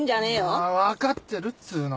ああわかってるっつうの。